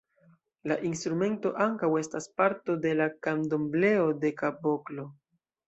La instrumento ankaŭ estas parto de la Kandombleo-de-kaboklo.